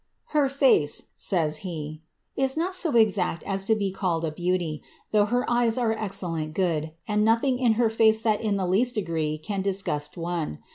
^' Her face,'^ says he, ^' is not so exact as to be called a beauty, though her eyes are excellent good, and nothing in her face that in the least de gree can disgust one.